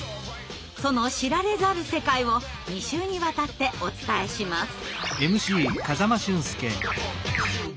その知られざる世界を２週にわたってお伝えします。